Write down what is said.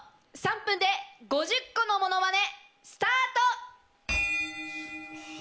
３分で５０個のものまねスタート！